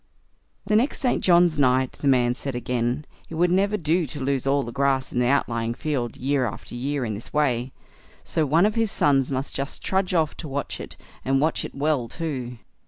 The next St. John's night, the man said again, it would never do to lose all the grass in the outlying field year after year in this way, so one of his sons must just trudge off to watch it, and watch it well too.